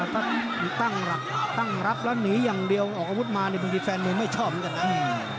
ถ้าตั้งหลักตั้งรับแล้วหนีอย่างเดียวออกอาวุธมานี่บางทีแฟนมวยไม่ชอบเหมือนกันนะ